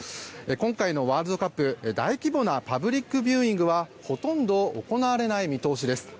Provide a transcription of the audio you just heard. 今回のワールドカップ大規模なパブリックビューイングはほとんど行われない見通しです。